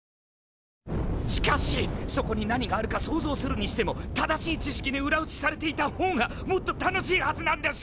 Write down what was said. しかしそこに何があるか想像するにしても正しい知識に裏打ちされていた方がもっと楽しいはずなんです！